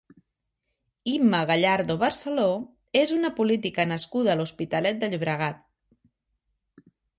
Imma Gallardo Barceló és una política nascuda a l'Hospitalet de Llobregat.